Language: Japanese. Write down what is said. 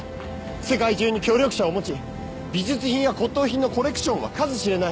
世界中に協力者を持ち美術品や骨董品のコレクションは数知れない。